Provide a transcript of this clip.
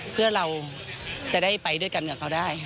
เพื่อเราจะได้ไปด้วยกันกับเขาได้